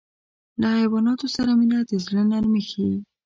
له حیواناتو سره مینه د زړه نرمي ښيي.